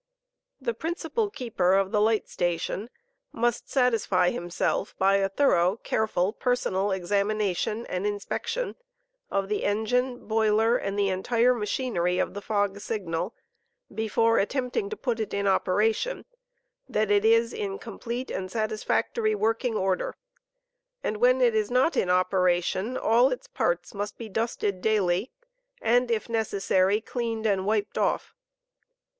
The principal keeper of the light station must satisfy himself, by a thorough, agn careful, personal examination and inspection of the engine, boiler, and the entire machinery of the fog signal, before attempting to put it in operation, that it is in com plete and satisfactory working order, and when .it is not in operation all its parts must be dusted daily, and, if necessary, Cleaned and wiped oft*.